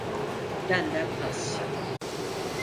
Benden pas.